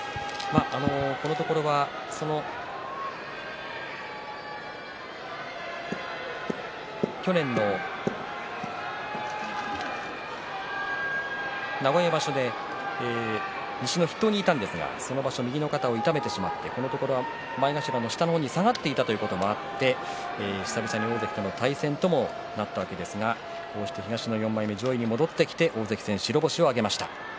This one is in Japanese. このところは去年の名古屋場所で西の筆頭にいたんですがその場所、右の肩を痛めてしまって、このところ前頭の下の方に下がっていたこともあって久々の大関との対戦となったわけですがこうして東の４枚目上位に戻ってきて大関戦白星を挙げました。